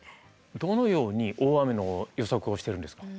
どのように大雨の予測をしてるんですか？